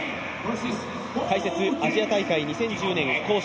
解説アジア大会２０１０年